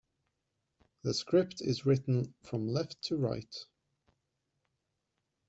The script is written from left to right.